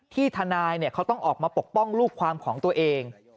ทนายเขาต้องออกมาปกป้องลูกความของตัวเอง